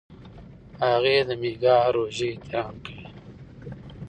هغې د میکا روژې احترام کوي.